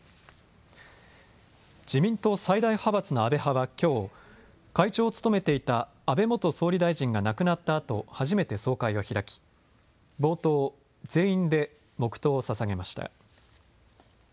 自民党最大派閥の安倍派はきょう会長を務めていた安倍元総理大臣が亡くなったあと初めて総会を開き、冒頭、全員で黙とうをささげました。